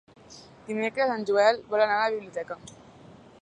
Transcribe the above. Dimecres en Joel vol anar a la biblioteca.